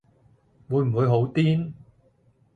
會唔會好癲